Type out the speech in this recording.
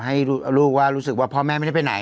ให้ลูกว่ารู้สึกว่าพ่อแม่ไม่ได้ไปไหน